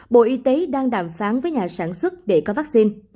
bộ y tế đang đàm phán với nhà sản xuất để có vaccine